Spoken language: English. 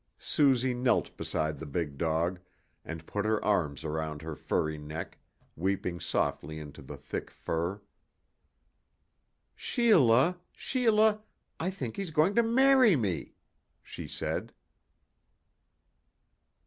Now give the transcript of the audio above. Suzy knelt beside the big dog, and put her arms around her furry neck, weeping softly into the thick fur. "Sheila, Sheila, I think he's going to marry me!" she said.